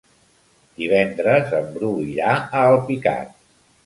Divendres en Bru irà a Alpicat.